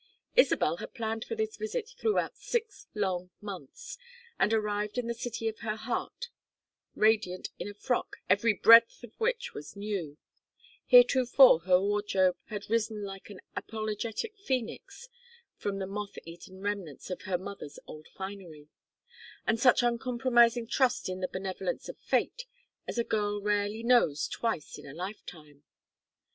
Isabel had planned for this visit throughout six long months, and arrived in the city of her heart radiant in a frock every breadth of which was new heretofore her wardrobe had risen like an apologetic ph[oe]nix from the moth eaten remnants of her mother's old finery and such uncompromising trust in the benevolence of fate as a girl rarely knows twice in a lifetime.